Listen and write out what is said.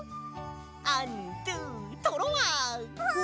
アンドゥトロワ！